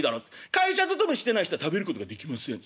「会社勤めしてない人は食べることができません」。